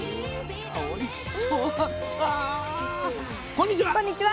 こんにちは。